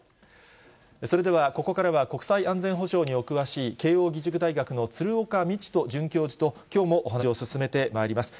それでは、ここからは国際安全保障にお詳しい慶応義塾大学の鶴岡路人准教授と、きょうもお話を進めてまいります。